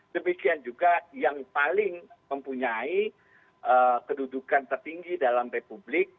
demikian juga yang paling mempunyai kedudukan tertinggi dalam republik